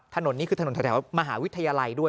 ถนนนี้คือถนนแถวมหาวิทยาลัยด้วย